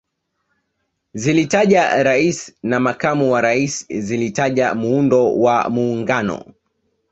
Zilitaja Rais na Makamu wa Rais zilitaja Muundo wa Muungano